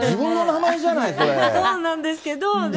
そうなんですけど、でも。